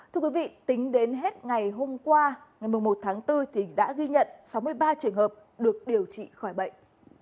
thưa quý vị tính đến hết ngày hôm qua ngày một tháng bốn đã ghi nhận sáu mươi ba trường hợp được điều trị khỏi bệnh